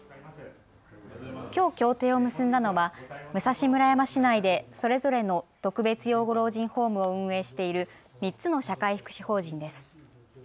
きょう協定を結んだのは武蔵村山市内でそれぞれの特別養護老人ホームを運営している３つの社会福祉法人です。